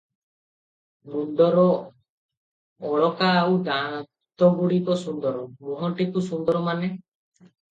ମୁଣ୍ଡର ଅଳକା ଆଉ ଦାନ୍ତଗୁଡିକ ସୁନ୍ଦର, ମୁହଁଟିକୁ ସୁନ୍ଦର ମାନେ ।